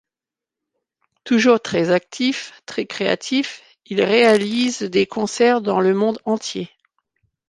Toujours très actifs, très créatifs, ils réalisent des concerts dans le monde entier.